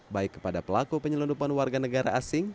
baik kepada pelaku penyelundupan warga negara asing